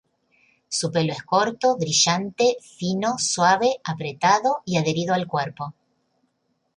Su pelo es corto, brillante, fino, suave, apretado y adherido al cuerpo.